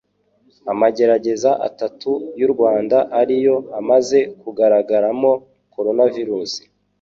amagereza atatu y'u Rwanda ari yo amaze kugaragaramo coronavirus.